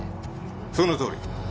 そのとおり。